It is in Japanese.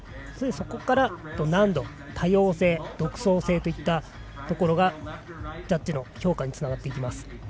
そこから難度、多様性独創性といったところがジャッジの評価につながっていきます。